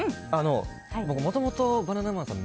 もともとバナナマンさん